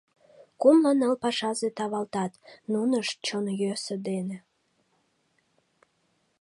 Кумло ныл пашазе тавалтат, нунышт чон йӧсӧ дене...